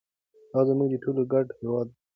دا زموږ د ټولو ګډ هوډ دی.